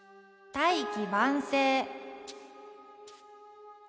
「大器晩成」。